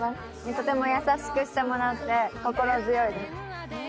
とても優しくしてもらって心強いです